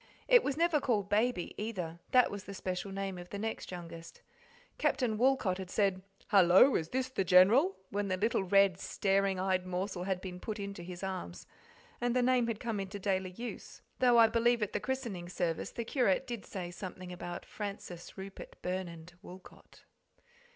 It was never called "Baby," either; that was the special name of the next youngest. Captain Woolcot had said, "Hello, is this the General?" when the little, red, staring eyed morsel had been put into his arms, and the name had come into daily use, though I believe at the christening service the curate did say something about Francis Rupert Burnand Woolcot.